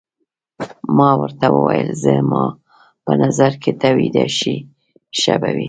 ما ورته وویل: زما په نظر که ته ویده شې ښه به وي.